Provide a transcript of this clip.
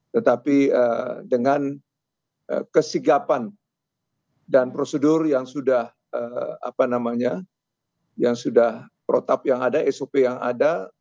tetapi dengan kesigapan dan prosedur yang sudah protap yang ada sop yang ada